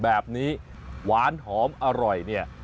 แบบนี้หวานหอมอร่อยเนี่ย